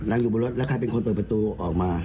อยู่บนรถแล้วใครเป็นคนเปิดประตูออกมา